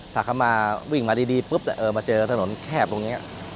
ถ้าเขามาวิ่งมาดีปุ๊บมาเจอถนนแคบตรงนี้